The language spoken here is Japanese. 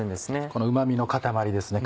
このうま味の塊ですね